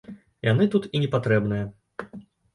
Яны тут і не патрэбныя.